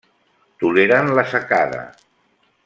Toleren la secada.